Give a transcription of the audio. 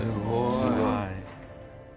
すごい。